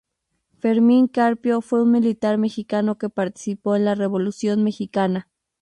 Fermín Carpio fue un militar mexicano que participó en la Revolución mexicana.